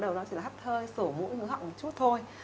nó chỉ là hất hơi sổ mũi mũi họng một chút thôi